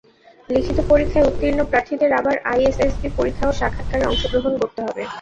লিখিত পরীক্ষায় উত্তীর্ণ প্রার্থীদের আবার আইএসএসবি পরীক্ষা ও সাক্ষাৎকারে অংশগ্রহণ করতে হবে।